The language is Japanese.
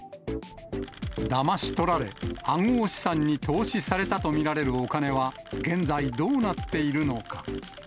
だまし取られ、暗号資産に投資されたと見られるお金は現在どうなっているのか。